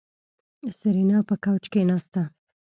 سېرېنا په کوچ کېناسته.